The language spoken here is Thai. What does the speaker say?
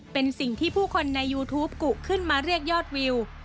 เป็นสิ่งที่ผู้คนในยูทูปกุขึ้นมาเรียกยอดวิว